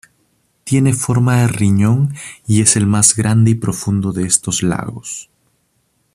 Tiene forma de riñón y es el más grande y profundo de estos lagos.